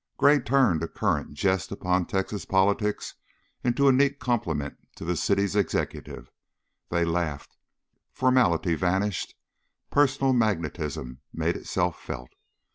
Gray turned a current jest upon Texas politics into a neat compliment to the city's executive; they laughed; formality vanished; personal magnetism made itself felt.